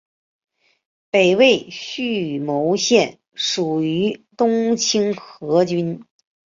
北魏绎幕县属于东清河郡。